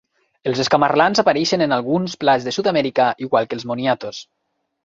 Els escamarlans apareixen en alguns plats de Sud-amèrica, igual que els moniatos.